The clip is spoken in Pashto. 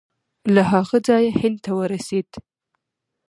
له هغه ځایه هند ته ورسېد.